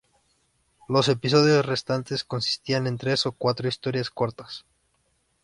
Los episodios restantes consistían en tres o cuatro historias cortas.